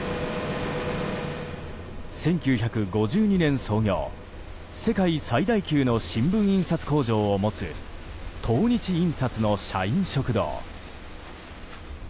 １９５２年創業、世界最大級の新聞印刷工場を持つ東日印刷の社員食堂。